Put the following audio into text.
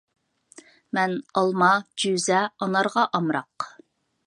مەن ئالما جۈزە ئانارغا ئامراق